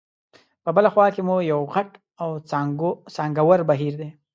په بله خوا کې مو یو غټ او څانګور بهیر دی.